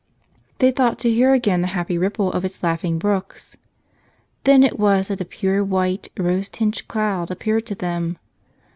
They thought to hear again the happy ripple of its laughing brooks. Then it was that a pure white, rose tinged cloud appeared to them.